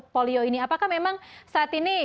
polio ini apakah memang saat ini